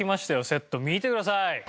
セット見てください。